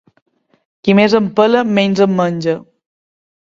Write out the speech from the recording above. Qui més en pela, menys en menja.